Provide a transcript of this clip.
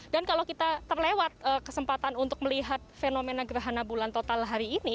dan kalau kita terlewat kesempatan untuk melihat fenomena gerhana bulan total hari ini